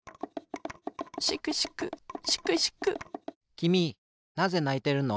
きみなぜないてるの？